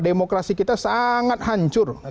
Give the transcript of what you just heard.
demokrasi kita sangat hancur